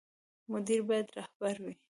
مدیر باید رهبر وي